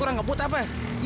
kurang ngebut apa ya